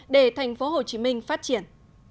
để tp hcm phát triển